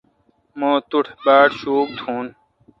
مہ توٹھ باڑ شوک تھون۔